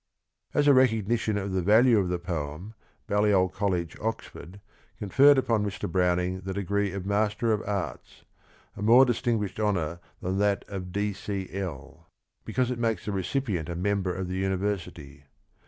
As a recognition of the value of the poem Balliol College, Oxford, conferred upon Mr. Browning the degree of Master of Arts, a more distinguished honor than that of D.C.L., be cause it makes the recipient a member of the University.